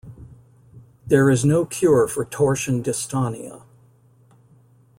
There is no cure for torsion dystonia.